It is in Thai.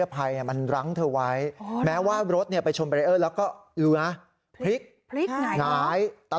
อ๋อแสดงความเสียใจด้วยนะคะ